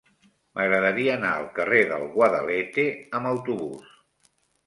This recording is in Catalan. M'agradaria anar al carrer del Guadalete amb autobús.